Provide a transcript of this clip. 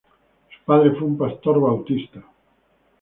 Su padre fue un pastor bautista.